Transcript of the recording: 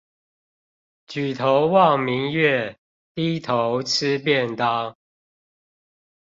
舉頭望明月，低頭吃便當